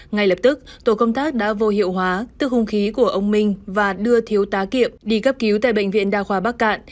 ngay lập tức tổ công tác đã vô hiệu hóa tức hung khí của ông minh và đưa thiếu tá kiệm đi cấp cứu tại bệnh viện đa khoa bắc cạn